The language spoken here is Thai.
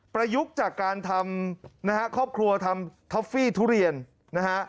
ประยุกต์จากการทำนะฮะครอบครัวทำท็อฟฟี่ทุเรียนนะฮะ